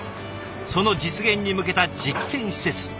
その実現に向けた実験施設。